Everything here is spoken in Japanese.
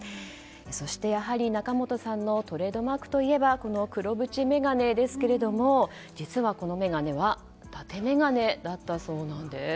そしてやはり、仲本さんのトレードマークといえばこの黒縁眼鏡ですけども実はこの眼鏡は伊達眼鏡だったそうなんです。